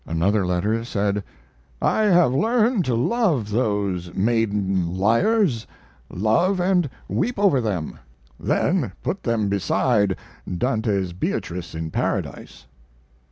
Another letter said: I have learned to love those maiden liars love and weep over them then put them beside Dante's Beatrice in Paradise.